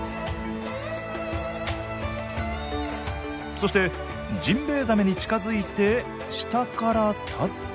そしてジンベエザメに近づいて下からタッチ。